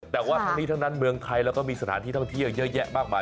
แต่ว่าทั้งนี้ทั้งนั้นเมืองไทยแล้วก็มีสถานที่ท่องเที่ยวเยอะแยะมากมาย